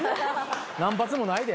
何発もないで。